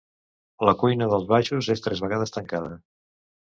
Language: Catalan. La cuina dels baixos és tres vegades tancada.